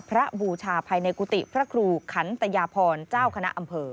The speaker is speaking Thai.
บูชาภายในกุฏิพระครูขันตยาพรเจ้าคณะอำเภอ